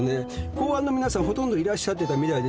公安の皆さんほとんどいらっしゃってたみたいですけども。